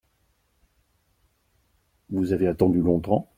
Vous avez attendu longtemps ?